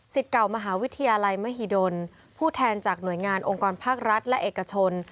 เก่ามหาวิทยาลัยมหิดลผู้แทนจากหน่วยงานองค์กรภาครัฐและเอกชน